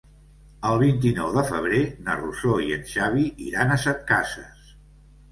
El vint-i-nou de febrer na Rosó i en Xavi iran a Setcases.